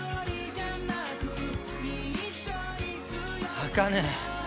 あかね